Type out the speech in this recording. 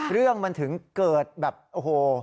เรื่องมันถึงเกิดแบบโอ้โห